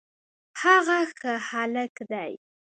هغه ښه هلک دی